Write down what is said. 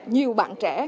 nhiều bạn trẻ